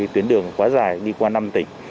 tuyến đường quá dài đi qua năm tỉnh